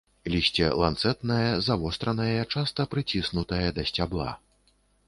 Лісце ланцэтнае, завостранае, часта прыціснутае да сцябла.